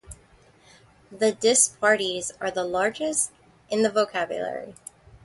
The disparities are the largest in the vocabulary.